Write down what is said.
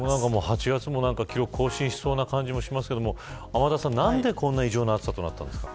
８月も記録更新しそうな感じがしますがなんでこんな異常な暑さとなったんですか。